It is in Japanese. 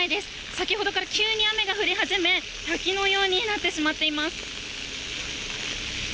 先ほどから急に雨が降り始め、滝のようになってしまっています。